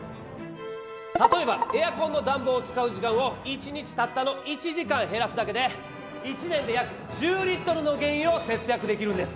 例えばエアコンの暖房を使う時間を１日たったの１時間減らすだけで１年で約１０リットルの原油を節約できるんです！